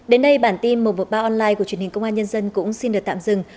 đến đây bản tin một trăm một mươi ba online của truyền hình công an nhân dân cũng xin được tạm dừng